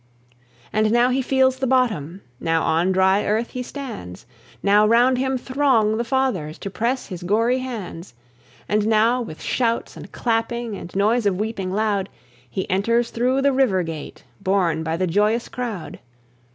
And now he feels the bottom; Now on dry earth he stands; Now round him throng the Fathers To press his gory hands; And now with shouts and clapping, And noise of weeping loud, He enters through the River Gate, Borne by the joyous crowd.